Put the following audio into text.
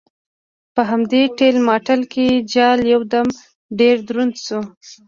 په همدې ټېل ماټېل کې جال یو دم ډېر دروند شو.